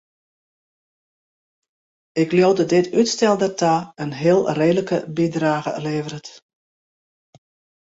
Ik leau dat dit útstel dêrta in heel reedlike bydrage leveret.